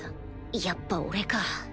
やっぱ俺か